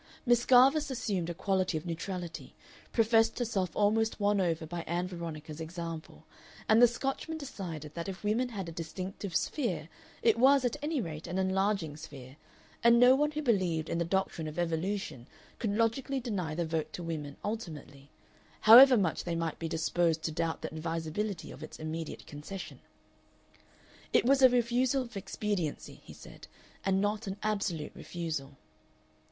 Miss Garvice assumed a quality of neutrality, professed herself almost won over by Ann Veronica's example, and the Scotchman decided that if women had a distinctive sphere it was, at any rate, an enlarging sphere, and no one who believed in the doctrine of evolution could logically deny the vote to women "ultimately," however much they might be disposed to doubt the advisability of its immediate concession. It was a refusal of expediency, he said, and not an absolute refusal.